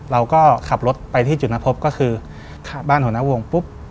เราก็ขับรถไปที่จุดนัดพบก็คือบ้านหัวหน้าวงปุ๊บ